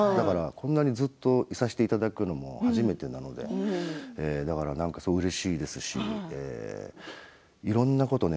こんなにずっといさせていただくのも初めてなのでうれしいですしいろんなことをね